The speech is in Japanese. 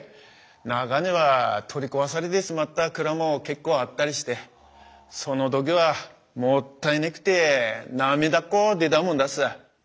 中には取り壊されてしまった蔵も結構あったりしてその時はもったいねくて涙っこ出たもんだす。